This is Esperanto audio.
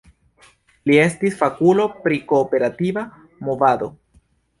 Li estis fakulo pri kooperativa movado.